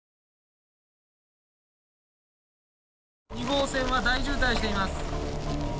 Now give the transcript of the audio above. ２号線は大渋滞しています。